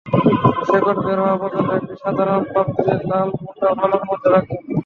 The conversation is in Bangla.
শেকড় বের হওয়া পর্যন্ত একটি সাধারণ পাত্রে লাল মোটা বালুর মধ্যে রাখেন।